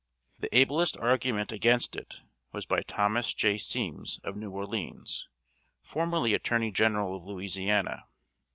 The ablest argument against it was by Thomas J. Semmes, of New Orleans, formerly attorney general of Louisiana.